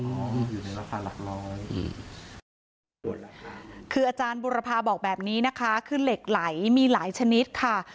อืมคืออาจารย์บุรพาบอกแบบนี้นะคะคือเหล็กไหลมีหลายชนิดค่ะ